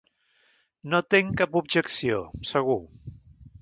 No tenc cap objecció, segur.